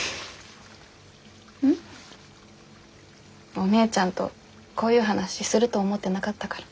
お姉ちゃんとこういう話すると思ってなかったから。